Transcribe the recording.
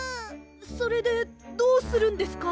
それでどうするんですか？